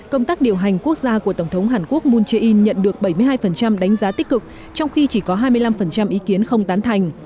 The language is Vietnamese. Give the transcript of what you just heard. công tác điều hành quốc gia của tổng thống hàn quốc moon jae in nhận được bảy mươi hai đánh giá tích cực trong khi chỉ có hai mươi năm ý kiến không tán thành